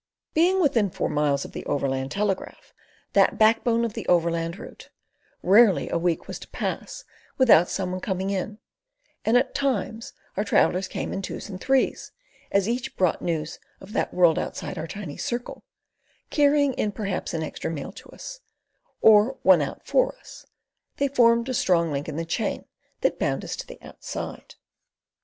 Being within four miles of the Overland Telegraph—that backbone of the overland rout—rarely a week was to pass without someone coming in, and at times our travellers came in twos and threes, and as each brought news of that world outside our tiny circle, carrying in perhaps an extra mail to us, or one out for us, they formed a strong link in the chain that bound us to Outside.